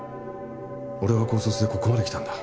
俺は高卒でここまで来たんだ。